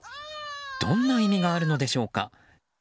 どんな意味があるのでしょうか。